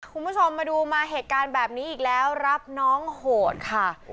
คุณผู้ชมมาดูมาเหตุการณ์แบบนี้อีกแล้วรับน้องโหดค่ะ